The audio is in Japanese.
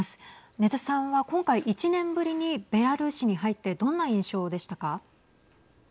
禰津さんは今回１年ぶりにベラルーシに入ってどんな印象でしたか。